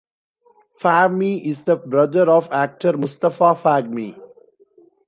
Fahmy is the brother of actor Mustafa Fahmy.